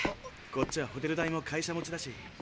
こっちはホテル代も会社持ちだし。